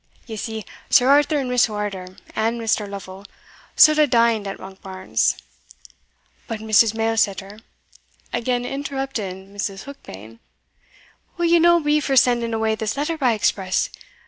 Ye see, Sir Arthur and Miss Wardour, and Mr. Lovel, suld hae dined at Monkbarns" "But, Mrs. Mailsetter," again interrupted Mrs. Heukbane, "will ye no be for sending awa this letter by express?